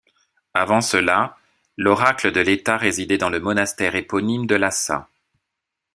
Avant cela, l'oracle de l'État résidait dans le monastère éponyme de Lhassa.